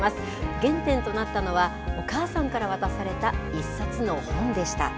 原点となったのは、お母さんから渡された１冊の本でした。